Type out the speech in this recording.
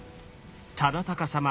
忠敬様